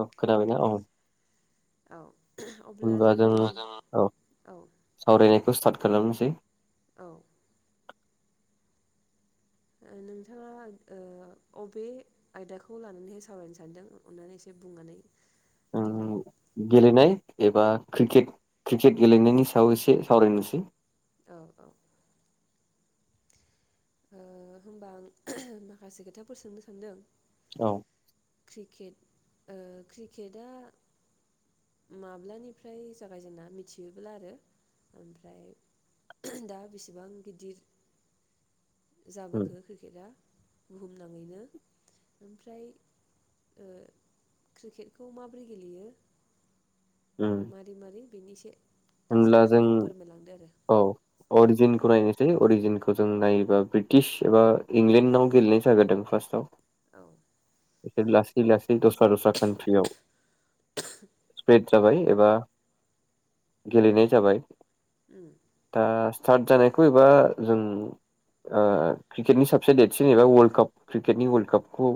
औ खोनाबायना औ। औ। अब्ला होनबा जों दिनै औ सावरायनाय खौ स्टार्ट खालामनोसै। औ। नोंथाङा ओ अबे आयदाखौ लानानै सावरायनो सानदों अननानै एसे बुंनानै होदो दे। ओम गेलेनाय एबा क्रिकेट क्रिकेट गेलेनायनि सायाव एसे सावरायनोसै। औ औ। ओ होमबा आं माखासे खोथाफोर सोंनो सानदों। औ क्रिकेट ओ क्रिकेटआ माब्लानिफ्राय जागायजेना मिथियोब्ला आरो ओमफ्राय दा बेसेबां गिदिर उम जाबोखो क्रिकेटआ बुहुमनाङैनो ओमफ्राय ओ क्रिकेटखौ माबोरै गेलेयो उम मारै मारै बेनि एसे लासै लासैनो फोरमायलांदो आरो। अरिजन औ नायनोसै अरिजनखौ खौ जों नायोबा ब्रिटिश एबा इंलेण्डआव गेलेनाय जाग्रोदों फार्स्टआव औ। बिसोर लासै लासै दस्रा दस्रा कान्ट्रियाव स्प्रेड जाबाय एबा गेलेनाय जाबाय। उम दा सिटार्ट जानायखौ एबा जों ओ क्रिकेटनि साबसे देरसिन एबा वर्ल्ड काप क्रिकेटनि वर्ल्ड कापखौ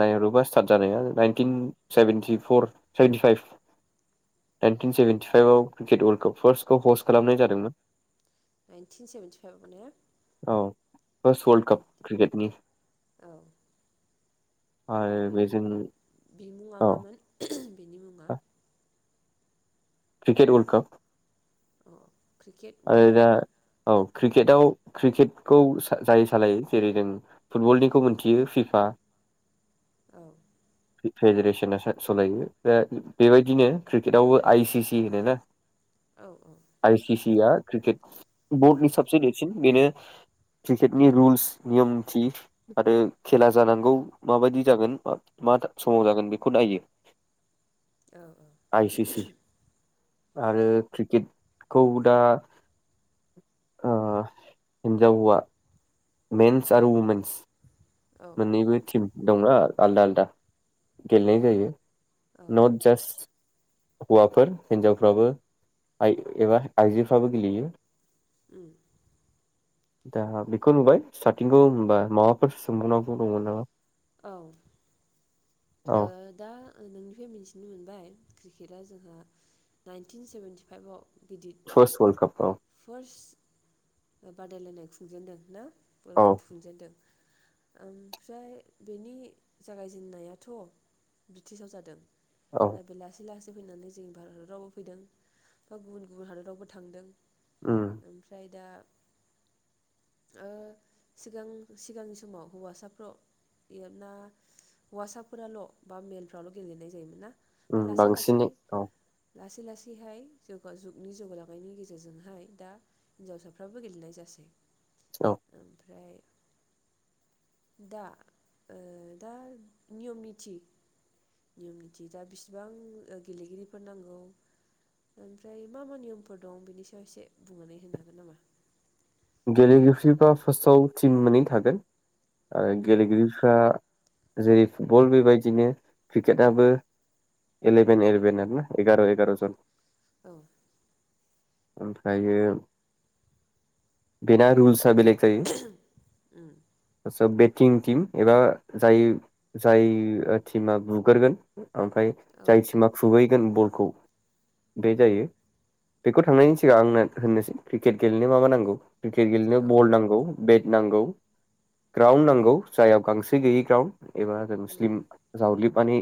नायहरोबा स्टार्ट जानाया नाइनटिन सेभेनटिफर सेभेनटिफाइभ नाइनटिन सेभेेनटिफाइभआव क्रिकेट वर्ल्डखौ फार्स्ट खौ हस्ट खालामनाय जादोंमोन। नाइनटिन सेभेेनटिफाइभआव ने? औ। फार्स्ट वर्ल्ड दि काप क्रिकेटनि औ ओमफ्राय आरो बेनि बेजों बि मु औ मामोन बिनि मुङा? Cricket world cup. औ। क्रिकेट वर्ल्ड काप क्रिकेटाव क्रिकेटखौ जाय सालायो जेरै जों फुटबलनिखौ मिथियो फिफा औ। फ्रिफेरेसना सारिस लायो बेबायदिनो क्रिकेटआवबो आइसि सि होनोना औ औ। या क्रिकेट बर्डनि साबसे देरसिन बेनो क्रिकेटनि रुल्स नियमथि आरो खेला जानांगौ माबायदि जागोन मा समाव जागोन बेखौ नायो। औ आइ सि सि आरो क्रिकेटखौ दा ओ हिनजाव हौवा मेन्स आरो उमेनस औ मोनैबो थिम दंना आलदा आलदा गेलेनाय जायो। औ न'त जास हौवाफोर हिनजावफ्राबो एबा आइजोफ्राबो गेलेयो। औ दा बेखौ नुबाय स्टार्टिंखौ होनबा माबाफोर सोंबावनांगौ दंमोन नामा? औ। ओ औ दा नोंनिफ्राय मिथिनो मोनबाय क्रिकेटआ जोंहा नाइनटिन सेभेेनटिफाइभआव फस्ट वर्ल्ड कप आव फार्स्ट बादायलायनाय खुंजेनन्दों ना? वर्ल्ड औ काप खुंजेनन्दों। ओमफ्राय बेनि जागायजेनन्नायाथ' ब्रिटिसाव जादों। औ दा बेलासि लासि ज फैनानै जोंनि भारतावबो फैदों बा गुबुन गुबुन हादोरावबो थांदों। उम ओमफ्राय दा ओ सिगां सिगांनि समाव हौवासाफ्राव ना हौवासाफोराल' बा मेलफ्राल' गेलेनाय जायोमोन ना? ओमफ्राय उम लासै लासै बांसिनै औ लासै लासैहाय जगा जुगनि जौगालांनायनि गेजेरजोंहाय दा हिनजावसाफ्राबो गेलेनाय जासै। औ ओमफ्राय दा ओ दा नियम निथि नियम निथि दा बिसिबां गेलेगिरिफोर नांगौ ओमफ्राय मा मा नियमफोर दं बेनि सायाव एसे बुंनानै होनो हागोन नामा? गेलेगिरिफ्रा फार्स्टआव टिम मोनै थागोन। आरो गेलेगिरिफ्रा जेरै फुटबल बेबायदिनो क्रिकेटआबो इलेभेन एलेभेन आरोना एगार' एगार' जन। औ ओमफ्रायो बेना रुलस आ बेलेग उम जायो बे किं टिम एबा जाय जाय टिमा बुगारगोन। ओमफ्राय औ जायथि मा खुबै गोन बलखौ बे जायो बेखौ थांनायनि सिगां आंनो होननोसै क्रिकेट गेलेनो मा मा नांगौ। क्रिकेट गेलेनो औ बल नांगौ बेट नांगौ ग्राउनड नांगौ जाययाव गांसो गैयै ग्राउनड एबा जों उम स्लिम जाव्लिबनानै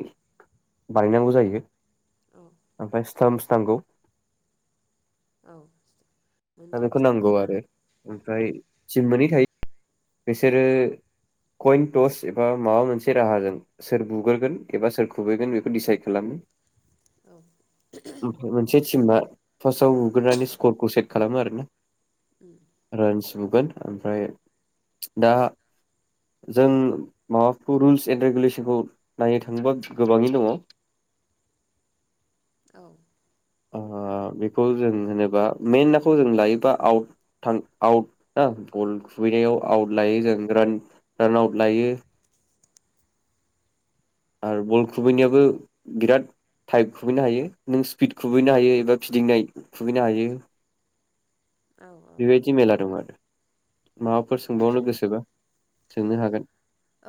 बानायनांगौ जायो औ ओमफ्राय स्टामस नांगौ। औ दा मोनथाम बेखौ स्थाम नांगौ ना आरो ओमफ्राय टिम मोनै थायो। बिसोरो कइन टच एबा माबा मोनसे राहाजों सोर बुग्रोगोन एबा सोर खुबैगोन बेखौ डिसाइद खालामो। औ ओमफ्राय मोनसे टिमा फार्स्टआव बुग्रोनानै स्करखौ सेक खालामो आरो ना रनज बुगोन ओमफ्राय दा जों माबाफोर रुलस एद रेगुलेसनखौ नायनो थाङोबा गोबांनि दङ। औ ओ बेखौ जों होनोबा मेेन नाखौ जों लायोबा आउट थां आउट ना गल खुबैनायाव आउट लायो जों रान रान आउट लायो। आरो बल खुबैनायाबो बिराद टाइप खुबैनो हायो नों स्पिड खुबैनो हायो एबा फिदिंनाय खुबैनो हायो। औ औ बेबायदि मेला दं आरो उम माबाफोर सोंबावनो गोसोबा सोंनो हागोन।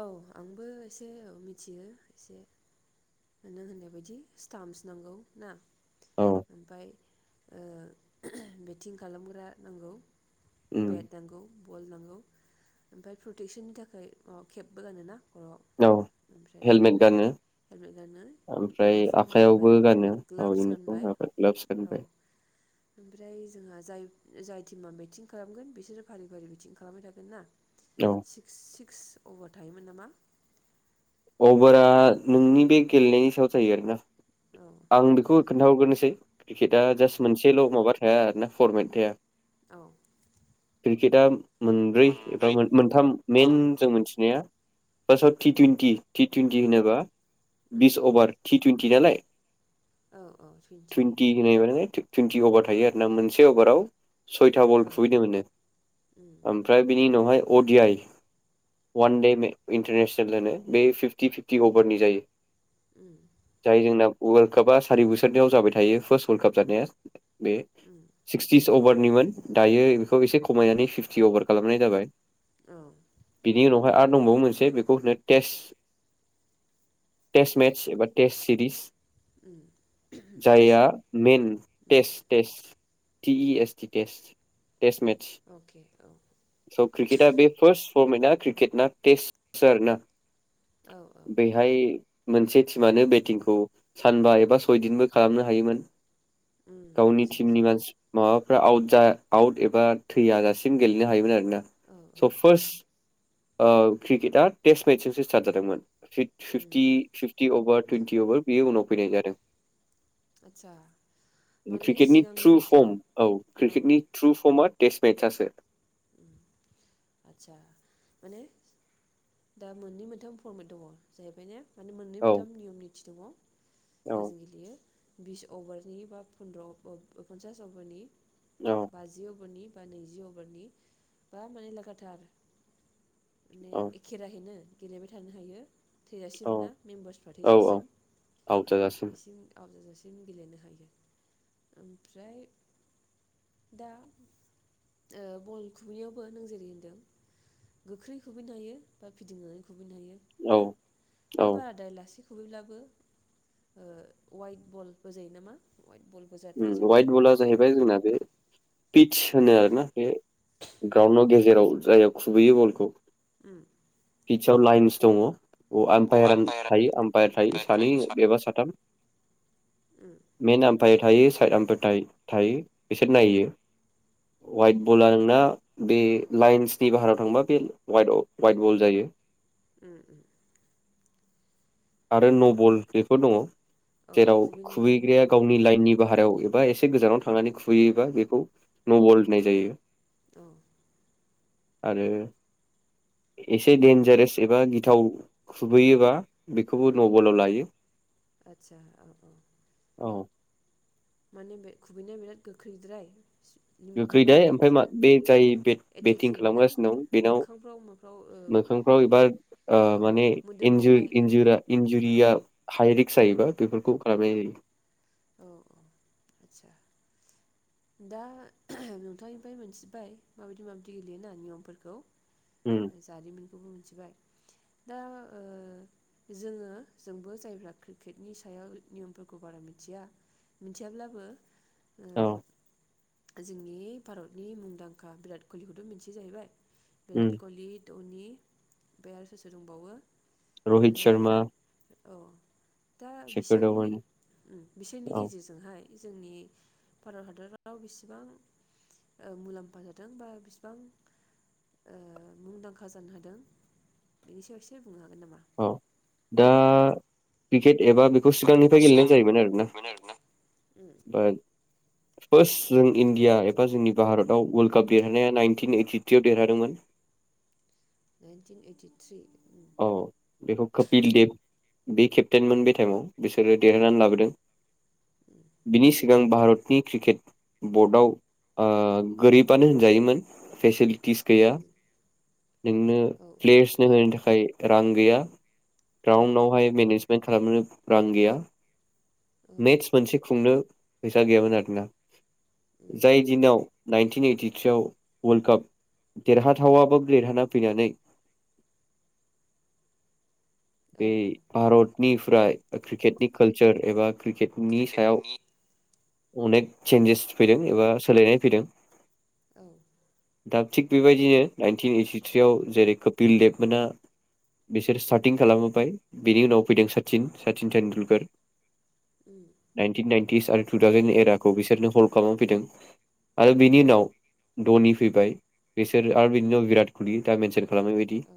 औ आंबो एसे ओ मिथियो एसे नों होननाय बायदि स्टामपस नांगौ ना? औ ओमफ्राय ओ [unintelligible] बेटिं खालामग्रा नांगौ उम बेट नांगौ बल नांगौ ओमफ्राय प्रटेकसननि थाखाय अ खेबबो गानोना? खर'आव औ ओमफ्राय हेलमेट गानो हेलमेट गानो ओमफ्राय इउनिफर्म आखाइयावबो गानबाय गानो औ ग्लाबस इउनिफर्म गानबाय ग्लाभस औ गानबाय ओमफ्राय जोंहा जाय जाय टिमा मिटिं खालामगोन बिसोरो फारि फारि मिथिं खालामबाय थागोन्ना। औ सिक्स सि अभार थायोमोन नामा? अभारा नोंनि बे गेलेनायनि सायाव जायो आरोना। औ आं बेखौ खोन्थाहरगोनोसै [unintelligible] क्रिकेटआ औ जास्ट मोनसेल' माबा थाया आरोना फरमेट थाया औ। क्रिकटआ मोनब्रै एबा मोन-मोनथाम मेन थाम नै जों मोनथिनाया। पास्ताव टि तुइनटि टि टुइनटि होनोबा उम बिस अभार थि टुइनटि नालाय औ औ टुइन्टि टुइनटि होनाय माने टुइन्टि अभार थायो आरोना मोनसे अभाराव सयथा बल औ खुबैनो मोनो उम ओमफ्राय बिनि उनावहाय अडि आइ वान दे इन्टारनेसनेल होनो। बे फिफ्टि फिफ्टि अभारनि जायो। उम जाय जोंना वाल कापआ सारि बोसोरनियाव जाबाय थायो फार्स्ट वाल काप जानाया बे उम सिक्सटि अभारनिमोन दायो बेखौ एसे खमायनानै फिफ्टि अभार खालामनाय जाबाय। औ बिनि उनाव आरो दंबावो मोनसे बेखौ होनो टेस्ट टेस्ट मेतच एबा टेस्ट सिरिज उम जायया टिसि main um test test T E S T test. Test matches अके औ। स' क्रिकेटआ बे फार्स्ट फर्मेटना क्रिकेटना टेस्ट आरोना औ औ बेहाय मोनसे टिमानो बे टिमखौ सानबा एबा सयदिनबो खालामनो हायोमोन। उम गावनि आदसा टिमनि आदसा मानसि माबाब फ्राआउट जा आउट एबा थैयाजासिम गेले हायोमोन आरो। ना औ औ स फार्स ओ क्रिकेट टेस मेस जोंसो सिथाथ जादोंमोन। फिफ um fifty fifty over twenty over बे उनाव फैनाय जादों। आदसा माने क्रिकेटनि थ्रु सिगांनि सम फर्म औ औ क्रिकेटनि थ्रु फर्मआ टेस्ट मेचसासो आस्सा माने दा मोननै मोनथाम फरमेट दङ जाहैबाय ने माने मोननै औ मोनथाम नियम निथि दङ। औ जायजों गेलेयो बिस अभारनि बा फन्द्र प अ पन्सास अभारनि औ बाजि अभारनि बा नैजि अभारनि बा मानि लागाथार माने औ एखेराहैनो गेलेबाय थानो हायो थैजासिम औ ना मेम्बार्सफ्रा औ औ थैजासिम आउट जाजासिम बेसिम आवट जाजासिम [unintelligible] गेलेनो हायो ओमफ्राय दा ओ बल खुबैयोबो नों जेरै होनदों गोख्रै खुबैनो हायो बा फिदिंनानै खु बैनोहायो औ ना ओमफ्राय औ बारादाय लासै खुबैब्लाबो वाइट बलबो जायो नामा? वाइट बलबो जानाय ओ जानो वाइट हायो बला जाहैबाय जोंना बे पिच होनो आरोना बे ग्राउन्डआव गेजेराव जाय खुबैयो बलखौ उम पिचसआव लाइन्स दङ। अ आम्पायार आम्पायारा थायो आम्पायार थायो सानै बेबा साथाम। मेन आमफायेर थायो साइड आमफोर थायो बिसोर नायो वाइट बलां ना बे लाइन्सनि बाहारायाव थांबा बे वाइट वाइट बल जायो। उम उम। आरो नबल बेफोर दङ। औ जेराव खुबैनायावहाय न' खुबैग्राया बल गावनि लाइननि बाहेरायाव ए बा एसे गोजानाव थानानै खुबैयोबा बेखौ नबल होननाय जायो। औ। आरो एसे दडेनजारेस एबा गिथाव खुबैयोबा बेखौबो नबलाव लायो। आचसा औ औ। औ माने बे खुबैनाया बिराद गोख्रैद्राय लिमिटनि बारा गोख्रैद्राय ओमफ्राय जाय बे जाय बेटिं एटेकिं ना खालामगासिनो दं बेनाव मोखांफ्राव माफ्राव ओ मोखांफ्राव एबा ओ औ माने इन्जु मोदोमावहाय इनजुरा इन्जु इया हाइ रिक्स जायोबा बेफोरखौ खालामनाय जायो। औ औ आदसा दा नोंथांनिफ्राय मोनथिबाय माबायदि माबायदि गेलेयोना नियमफोरखौ। उम जारिमिन खौबो मोनथिबाय दा ओ जोङो जोंबो जायफ्रा क्रिकेटनि सायाव नियमफोरखौ बारा मि थिया मिथियाब्लाबो औ ओ जोंनि भारतनि मुंदांखा बिराट कहलिखौथ' मोनथि जाहैबाय उम बिराट कहलि धनि बे आरो सोर सोर दंबावो? र'हित सर्मा ओ औ दा सेकर बिसोरनि धावान उम बिसोरनि गेजेरजोंहाय जोंनि भारत हादराव बेसेबां ओ मुलाम्फा जादों बा बिसेबां ओ मुंदांखा जानो हादों बेनि सायाव एसे बुंनो हागोन नामा? औ दा क्रिकेट एबा बेखौ सिगांनिफ्राय गेलेनाय जायोमोन आरोना। दा फार्स्ट जों इण्डिया एबा जोंनि भारतआव वर्ल्ड काप देरहानाया नाइनटिन ओइटिथ्रियाव देरहादोंमोन। नाइनटिन ओइटि थ्रि औ बेखौ कपिल देब बे केप्टेनमोन बे टाइमाव बिसोरो देरहानानै लाबोदों बिनि सिगां भारतनि क्रिकेट बर्डआव ओ गोरिबानो होनजायोमोन फेसिलि टिस गैया नोंनो औ प्लेस [unintelligible] थाखा खाय रां गैया। औ ग्राउनाव हाय मेनेस मेन्ट खालामनो रां गैया मेटस मोनसे खुंनो फैसा गैयामोन आरोना। औ जाय दिनाव नाइनटिन ओइटिथ्रिआव वर्ल्ड काप देरहाथावाबाबो देरहाना फैनानै औ बे औ भारत निफ्राय क्रिकेटनि कालचार एबा क्रिकेटनि सायाव क्रिकेटनि अनेक चेन्जेस फैदों एबा सोलायनाय फैदों औ दा थिग बेबायदिनो नाइनटिन ओइटिथ्रियाव जेरै कपिल देबमोना बिसोर सार्टिं खालामोबबाय बिनि उनाव फैदों सचिन सचिन तटेन्डुलकार नाइनटिन नाइनन्टिस आरो टु थावजेन एराखौ बिसोरनो हल्ड खालामना फैदों आरो बिनि उनाव धनि फैबाय बिसोर आरो बिनि उनाव भराट कलि दा मोनसे खालामनाय बायदि औ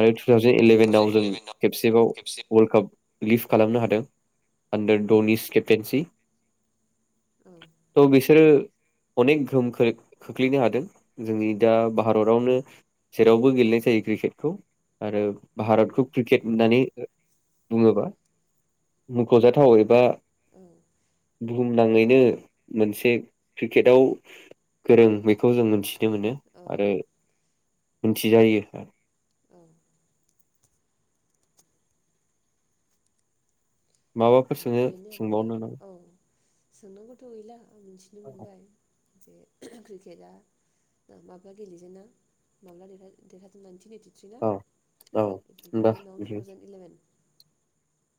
आरो थु थावजेन थावजेन इलेभेनाव जों इलेभेनाव खेबसेबाव खेबसे वर्ल्ड काप लिफ खालामनो हादों। आन्दार ड'निस केपटेनसि। औ त बिसोरो अनेक गोहोम खोख्लैनो हादों जोंनि दा भारतावनो जेरावबो गेलेनाय जायो क्रिकेटखौ आरो भारतखौ होननानै बुङोबा मुख'जाथाव दा औ बुहुमनाङैनो मोनसे क्रिकेटआव गोरों बेखौ जों मिथि नो मोनो औ आरो मिनथिजायो औ माबाफोर सोंनो बेनो आरोना सोंबावनो नामा? औ सोंनांगौथ' गैला आं मिन्थिनो औ मोनबाय जे क्रिकेटआ माब्ला गेलेेजेना माब्ला देरहाजोबनानै [unintelligible] थ्रि ना औ औ बेनि उनाव टु होनबा थावजेन इलेभेन